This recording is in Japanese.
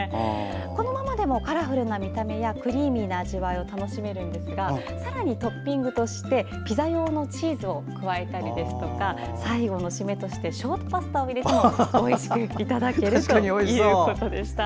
このままでもカラフルな見た目やクリーミーな味わいを楽しめるんですがさらに、トッピングとしてピザ用のチーズを加えたり最後の締めとしてショートパスタを入れてもおいしくいただけるそうです。